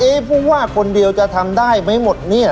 ผู้ว่าคนเดียวจะทำได้ไหมหมดเนี่ย